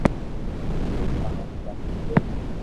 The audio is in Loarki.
جيم ماروا لاگي تو